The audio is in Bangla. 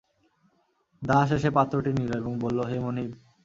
দাস এসে পাত্রটি নিল এবং বলল—হে মনিব!